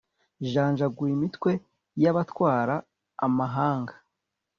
janjagura imitwe y'abatwara amahanga